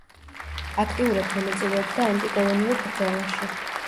აქტიურად მონაწილეობდა ანტიკოლონიურ ბრძოლაში.